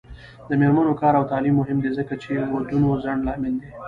د میرمنو کار او تعلیم مهم دی ځکه چې ودونو ځنډ لامل دی.